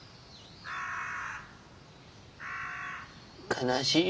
悲しい。